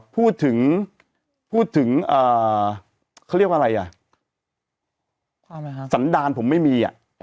พูดถึงพูดถึงเขาเรียกว่าอะไรอ่ะสันดารผมไม่มีอ่ะ